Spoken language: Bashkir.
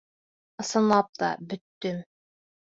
Ысынлап та, бөттөм.